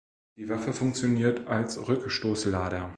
Die Waffe funktioniert als Rückstoßlader.